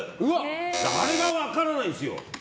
あれが分からないんですよ。